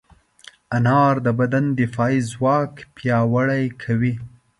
انار د بدن دفاعي ځواک پیاوړی کوي.